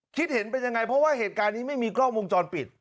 คิดเห็นเป็นยังไงเพราะว่าเหตุการณ์นี้ไม่มีกล้องวงจรปิด